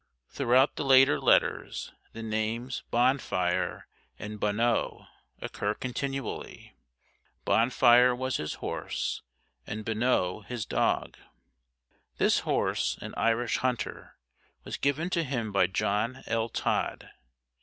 Throughout the later letters the names Bonfire and Bonneau occur continually. Bonfire was his horse, and Bonneau his dog. This horse, an Irish hunter, was given to him by John L. Todd.